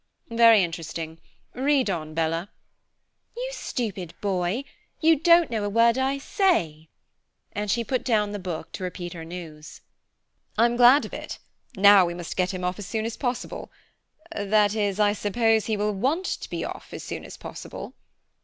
"Very interesting. Read on, Bella." "You stupid boy! You don't know a word I say," and she put down the book to repeat her news. "I'm glad of it; now we must get him off as soon as possible that is, I suppose he will want to be off as soon as possible."